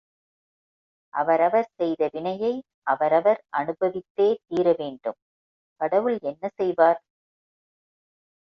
அவரவர் செய்த வினையை அவரவர் அனுபவித்தே தீர வேண்டும் கடவுள் என்ன செய்வார்!